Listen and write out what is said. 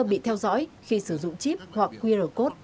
bị theo dõi khi sử dụng chip hoặc qr code